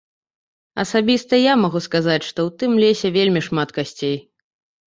Асабіста я магу сказаць, што ў тым лесе вельмі шмат касцей.